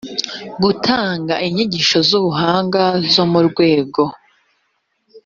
gutanga inyigisho z ubuhanga zo mu rwego